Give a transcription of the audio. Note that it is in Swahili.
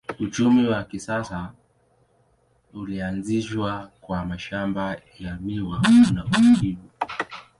Uchumi wa kisasa ulianzishwa kwa mashamba ya miwa na uvuvi.